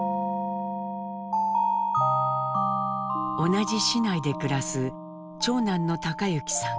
同じ市内で暮らす長男の貴之さん。